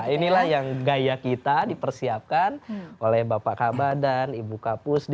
inilah yang gaya kita dipersiapkan oleh bapak kabadan ibu kapus